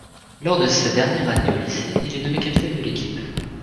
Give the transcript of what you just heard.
Lors de sa dernière année au lycée, il est nommé capitaine de l'équipe.